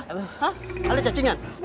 hah ali cacingan